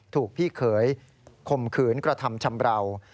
ถูกพี่เขยคมขืนกระทำชำราว